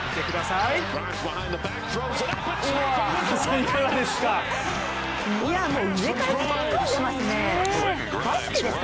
いかがですか？